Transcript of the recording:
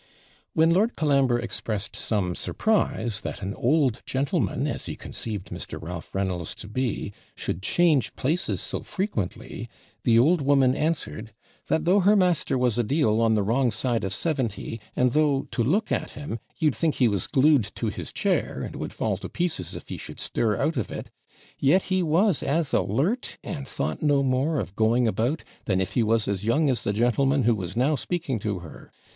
When Lord Colambre expressed some surprise that an old gentleman, as he conceived Mr. Ralph Reynolds to be, should change places so frequently, the old woman answered, 'That though her master was a deal on the wrong side of seventy, and though, to look at him, you'd think he was glued to his chair, and would fall to pieces if he should stir out of it, yet was as alert, and thought no more of going about, than if he was as young as the gentleman who was now speaking to her.